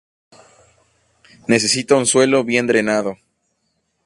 Necesita un suelo bien drenado.